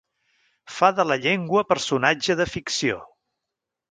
Fa de la llengua personatge de ficció.